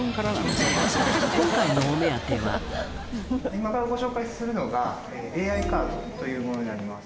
今からご紹介するのが。というものになります。